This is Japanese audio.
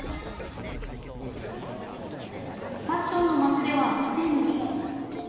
ファッションの街ではすでに。